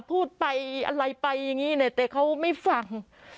พูดไปอะไรไปอย่างนี้เนี่ยแต่เขาไม่ฟัง